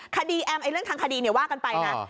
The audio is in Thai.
คดีแอมไอ้เรื่องทางคดีเนี้ยว่ากันไปน่ะอ่า